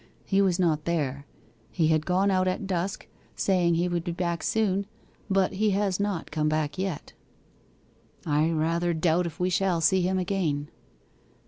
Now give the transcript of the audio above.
He was not there. He had gone out at dusk, saying he would be back soon. But he has not come back yet.' 'I rather doubt if we shall see him again.